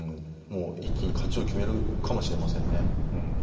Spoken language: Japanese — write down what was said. もう一気に勝ちを決めるかもしれませんね。